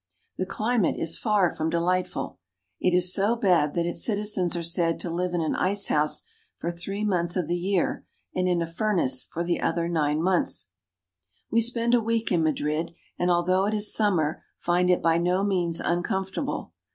The climate is far from delightful ; it is so bad that its citizens are said to live in an ice house for three months of the year, and in a furnace for the other nine months. We spend a week in Madrid, and although it is summer find it by no means uncomfortable.